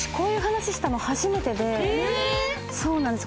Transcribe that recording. そうなんです。